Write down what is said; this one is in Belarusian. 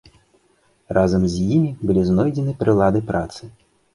Разам з імі былі знойдзены прылады працы.